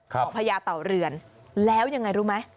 พญาเต่าเรือนแล้วยังไงรู้ไหม